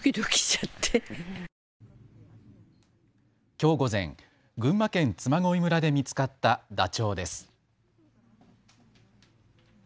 きょう午前、群馬県嬬恋村で見つかったダチョウです。